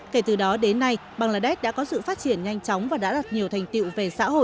kể từ đó đến nay bangladesh đã có sự phát triển nhanh chóng và đã đạt nhiều thành tiệu về xã hội